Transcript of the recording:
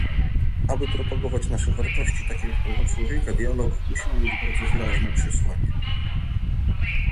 Aby propagować nasze wartości, takie jak prawa człowieka, dialog, musimy mieć bardzo wyraźne przesłanie